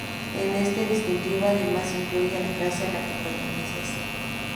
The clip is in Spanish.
En el distintivo, además, se incluye la clase a la que pertenecen.